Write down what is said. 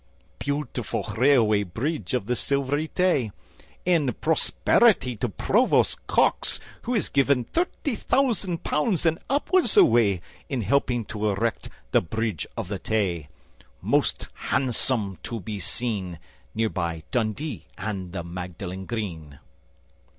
Beautiful Railway Bridge of the Silvery Tay! And prosperity to Provost Cox, who has given Thirty thousand pounds and upwards away In helping to erect the Bridge of the Tay, Most handsome to be seen, Near by Dundee and the Magdalen Green.